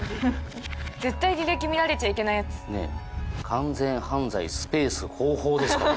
「完全犯罪」スペース「方法」ですから。